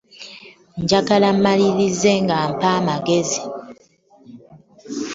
Njagala mmalirize nga mpa amagezi.